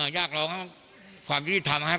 อยากร้องความยุติธรรมให้กลับมา